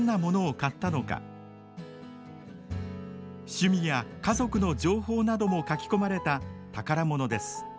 趣味や家族の情報なども書き込まれた宝物です。